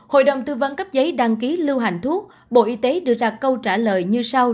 hội đồng tư vấn cấp giấy đăng ký lưu hành thuốc bộ y tế đưa ra câu trả lời như sau